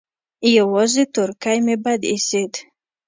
يوازې تورکى مې بد اېسېد.